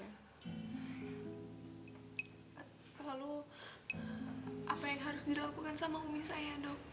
halo apa yang harus dilakukan sama umi saya dok